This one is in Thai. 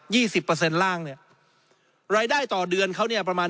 สิบเปอร์เซ็นต์ล่างเนี่ยรายได้ต่อเดือนเขาเนี่ยประมาณ